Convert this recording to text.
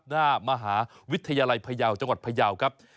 หน้ามหาวิทยาลัยพยาวจังหวัดพยาวครับ